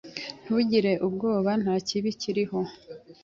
Ntugire ubwoba. Nta kibi kiriho.